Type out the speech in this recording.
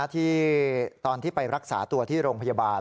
ที่ตอนที่ไปรักษาตัวที่โรงพยาบาล